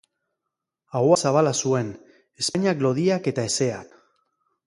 Ahoa zabala zuen, ezpainak lodiak eta hezeak.